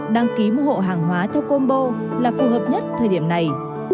đăng ký mua hộ hàng hóa theo combo là phù hợp nhất thời điểm này